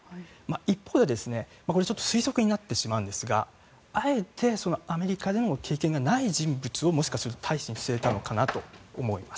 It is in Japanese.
一方で推測になってしまうんですがあえてアメリカでの経験がない人物をもしかすると大使に据えたのかなと思います。